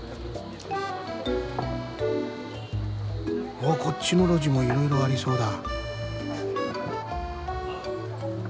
おおこっちの路地もいろいろありそうだ。